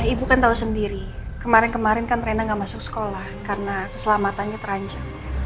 ibu kan tahu sendiri kemarin kemarin kan rena gak masuk sekolah karena keselamatannya terancam